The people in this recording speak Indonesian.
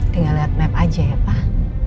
tinggal lihat map aja ya pak